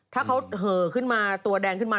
ถ้าเขาเหอขึ้นมาตัวแดงขึ้นมา